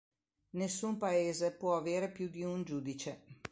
Nessun paese può avere più di un giudice.